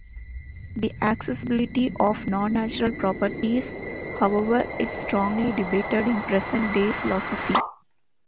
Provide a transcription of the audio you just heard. The acceptability of non-natural properties, however, is strongly debated in present-day philosophy.